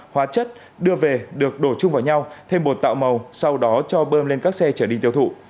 hóa chất đưa về được đổ chung vào nhau thêm bột tạo màu sau đó cho bơm lên các xe trở đi tiêu thụ